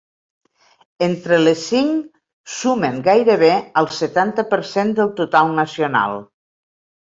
Entre les cinc sumen gairebé el setanta per cent del total nacional.